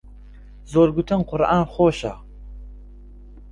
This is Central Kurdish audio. زۆر گۆتن قورئان خۆشە.